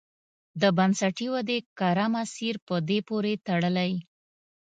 د بنسټي ودې کره مسیر په دې پورې تړلی.